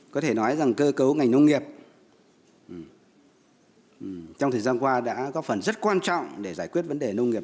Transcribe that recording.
có thể nói rằng cơ cấu ngành nông nghiệp trong thời gian qua đã có phần rất quan trọng để giải quyết vấn đề nông nghiệp